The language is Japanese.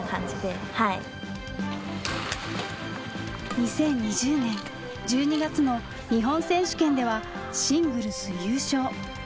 ２０２０年１２月の日本選手権ではシングルス優勝。